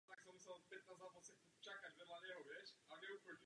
Tento syndrom není znám ze západní zemí.